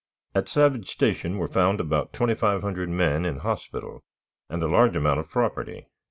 At Savage Station were found about twenty five hundred men in hospital, and a large amount of property.